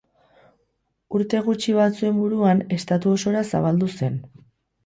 Urte gutxi batzuen buruan, estatu osora zabaldu zen.